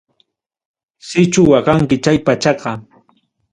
Sichu waqanki chay pachaqa.